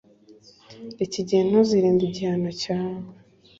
iki gihe, ntuzirinda igihano cyawe